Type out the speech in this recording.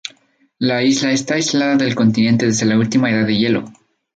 La isla está aislada del continente desde la última edad de hielo.